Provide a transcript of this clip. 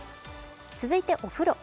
続いてお風呂。